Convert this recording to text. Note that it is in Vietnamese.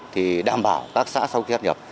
thì đảm bảo các xã sau khi sắp nhập